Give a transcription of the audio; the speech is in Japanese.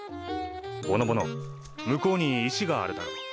ぼのぼの向こうに石があるだろ。